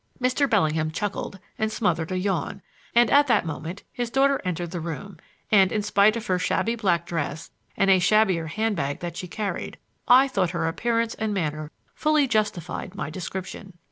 Mr. Bellingham chuckled and smothered a yawn, and at that moment his daughter entered the room; and, in spite of her shabby black dress and a shabbier handbag that she carried, I thought her appearance and manner fully justified my description.